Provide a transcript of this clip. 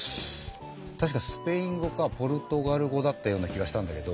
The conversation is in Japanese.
確かスペイン語かポルトガル語だったような気がしたんだけど。